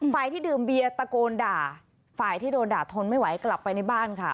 ที่ดื่มเบียร์ตะโกนด่าฝ่ายที่โดนด่าทนไม่ไหวกลับไปในบ้านค่ะ